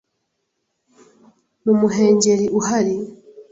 mu muhengeri uhari